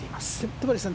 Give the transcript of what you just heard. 戸張さん